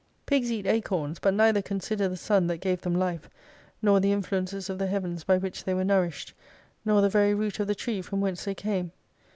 Pigs eat acorns, but neither consider the sun that gave them life, nor the influences of the heavens by which they were nourished, nor the very root of the tree from whence they came.